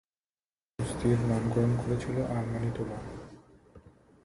তারা তাদের ঢাকার বসতির নামকরণ করেছিল আর্মানিটোলা।